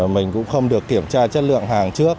mình cũng không được kiểm tra chất lượng hàng trước